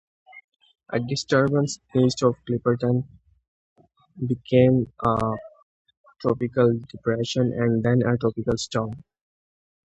A disturbance east of Clipperton became a tropical depression and then a tropical storm.